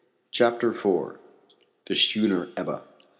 CHAPTER IV. THE SCHOONER EBBA.